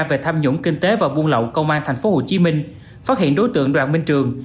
về tham dũng kinh tế và buôn lậu công an tp hcm phát hiện đối tượng đoạn minh trường